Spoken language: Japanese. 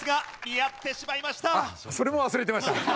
あっそれも忘れてました。